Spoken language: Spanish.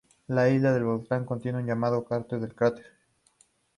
La isla del volcán contiene un lago llamado Lago del cráter.